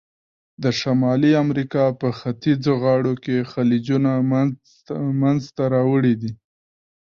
د شمالي امریکا په ختیځو غاړو کې خلیجونه منځته راوړي دي.